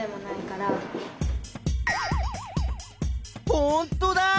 ほんとだ！